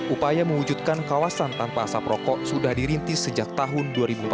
upaya mewujudkan kawasan tanpa asap rokok sudah dirintis sejak tahun dua ribu empat belas